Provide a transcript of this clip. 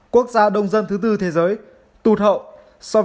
quốc gia đông dân thứ tư thế giới tụt hậu